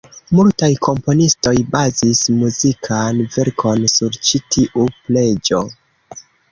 Multaj komponistoj bazis muzikan verkon sur ĉi tiu preĝo.